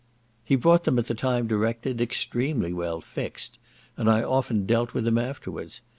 He brought them at the time directed, extremely well "fixed," and I often dealt with him afterwards.